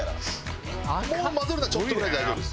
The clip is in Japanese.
もう混ぜるのはちょっとぐらいで大丈夫です。